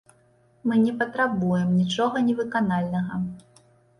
Мы не патрабуем нічога невыканальнага.